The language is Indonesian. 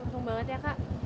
untung banget ya kak